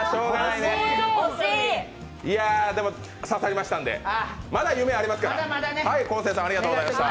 いや、でも刺さりましたんで、まだ夢ありますから。